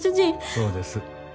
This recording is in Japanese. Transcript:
そうです。